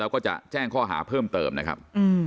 แล้วก็จะแจ้งข้อหาเพิ่มเติมนะครับ